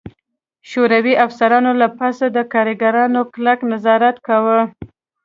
شوروي افسرانو له پاسه د کارګرانو کلک نظارت کاوه